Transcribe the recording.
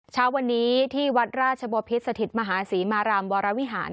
เช้าวันนี้ที่วัดราชบพิษสถิตมหาศรีมารามวรวิหาร